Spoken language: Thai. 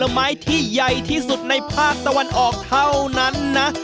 ไม้ที่ใหญ่ที่สุดในภาคตะวันออกเท่านั้นนะ